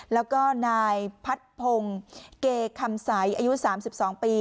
แล้วก็นายพัดพงศ์เกคำใสอายุ๓๒ปี